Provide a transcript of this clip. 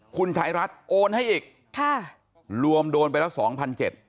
คุณชายรัฐโอนให้อีกค่ะรวมโดนไปแล้วสองพันเจ็ด